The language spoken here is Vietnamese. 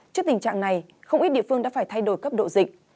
trước tình trạng này không ít địa phương đã phải thay đổi cấp độ dịch